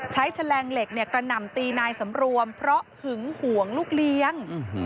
แฉลงเหล็กกระหน่ำตีนายสำรวมเพราะหึงห่วงลูกเลี้ยง